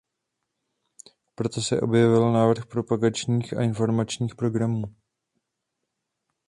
Proto se objevil návrh propagačních a informačních programů.